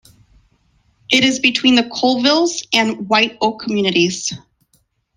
It is between the Colesville and White Oak communities.